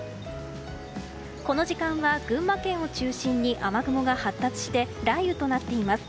この時間は群馬県を中心に雨雲が発達して雷雨となっています。